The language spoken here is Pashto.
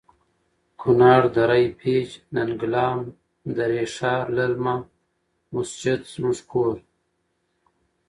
کنړ.دره پیج.ننګلام.دری ښار.للمه.مسجد زموړږ کور